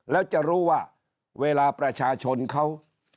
แล้วจะรู้ว่าเวลาประชาชนเขา